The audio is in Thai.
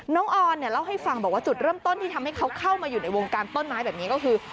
ออนเนี่ยเล่าให้ฟังบอกว่าจุดเริ่มต้นที่ทำให้เขาเข้ามาอยู่ในวงการต้นไม้แบบนี้ก็คือ